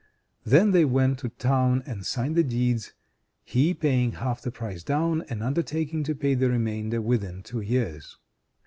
Then they went to town and signed the deeds; he paying half the price down, and undertaking to pay the remainder within two years.